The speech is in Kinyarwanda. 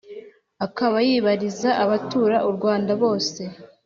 akaba yibaliza abatura rwanda bose